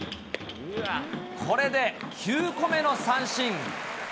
これで９個目の三振。